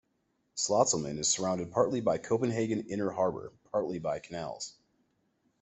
Slotsholmen is surrounded partly by Copenhagen Inner Harbour, partly by canals.